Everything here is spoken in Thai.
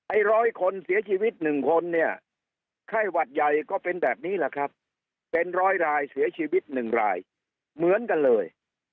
ร้อยคนเสียชีวิต๑คนเนี่ยไข้หวัดใหญ่ก็เป็นแบบนี้แหละครับเป็นร้อยรายเสียชีวิต๑รายเหมือนกันเลย